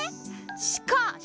しかし！